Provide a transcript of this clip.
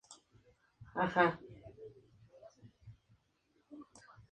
Esta modalidad te permite elegir dos equipos para jugar un partido.